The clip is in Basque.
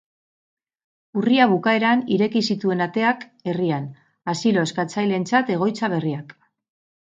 Urria bukaeran ireki zituen ateak herrian, asilo-eskatzaileentzat egoitza berriak.